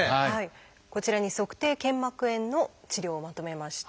こちらに足底腱膜炎の治療をまとめました。